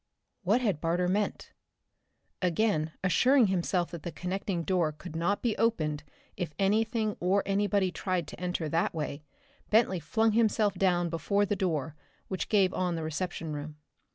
What had Barter meant? Again assuring himself that the connecting door could not be opened if anything or anybody tried to enter that way, Bentley flung himself down before the door which gave on the reception room.